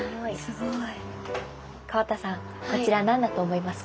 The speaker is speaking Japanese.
すごい。河田さんこちら何だと思いますか？